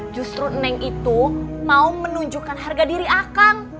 justru neng itu mau menunjukkan harga diri akang